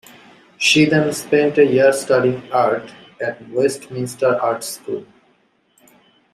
She then spent a year studying art at Westminster Art School.